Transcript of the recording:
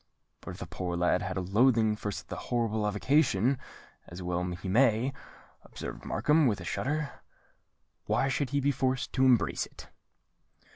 "But if the poor lad have a loathing for the horrible avocation—as well he may," observed Markham, with a shudder, "why should he be forced to embrace it?"